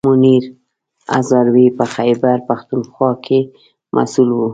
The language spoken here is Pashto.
منیر هزاروي په خیبر پښتونخوا کې مسوول و.